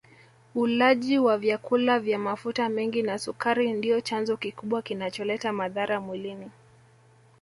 Ulaji wa vyakula vya mafuta mengi na sukari ndio chanzo kikubwa kinacholeta madhara mwilini